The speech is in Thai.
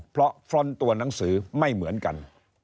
เพราะฟรอนต์ตัวหนังสือไม่เหมือนกัน